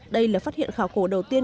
đây là phát hiện khảo cổ đầu tiên